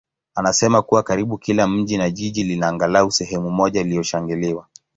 anasema kuwa karibu kila mji na jiji lina angalau sehemu moja iliyoshangiliwa.